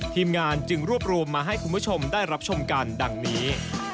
ทีมงานจึงรวบรวมมาให้คุณผู้ชมได้รับชมกันดังนี้